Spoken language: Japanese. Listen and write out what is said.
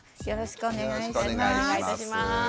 よろしくお願いします。